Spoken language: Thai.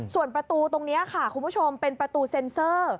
ส่วนประตูตรงนี้ค่ะคุณผู้ชมเป็นประตูเซ็นเซอร์